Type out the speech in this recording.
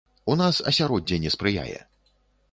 У нас асяроддзе не спрыяе.